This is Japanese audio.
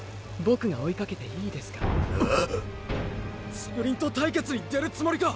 ⁉スプリント対決に出るつもりか！！